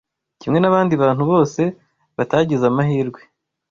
kimwe n’abandi bantu bose batagize amahirwe